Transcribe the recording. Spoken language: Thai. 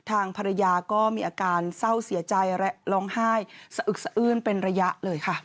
ทางภรรยาก็มีอาการเศร้าเสียใจและร้องไห้สะอึกสะอื้นเป็นระยะเลยค่ะ